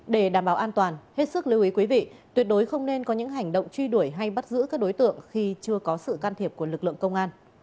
để đảm bảo an toàn hết sức lưu ý quý vị tuyệt đối không nên có những hành động truy đuổi hay bắt giữ các đối tượng khi chưa có sự can thiệp của lực lượng công an